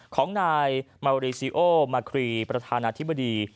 ของนายมาริซิโอมาคลีประธานทฤษี